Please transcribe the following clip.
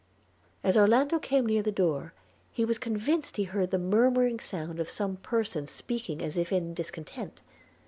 – As Orlando came near the door, he was convinced he heard the murmuring sound of some person speaking as if in discontent.